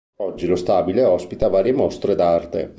Oggi lo stabile ospita varie mostre d'arte.